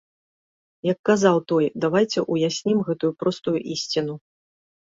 Як казаў той, давайце ўяснім гэтую простую ісціну.